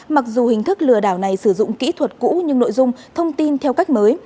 mặc dù hình thức lừa đảo này sử dụng kỹ thuật cũ nhưng nội dung thông tin theo cách mới